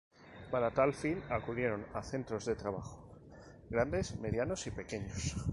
Para tal fin acudieron a centros de trabajo: grandes, medianos y pequeños.